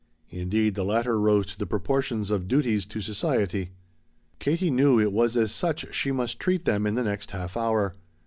Indeed the latter rose to the proportions of duties to society. Katie knew it was as such she must treat them in the next half hour.